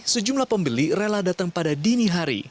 sejumlah pembeli rela datang pada dini hari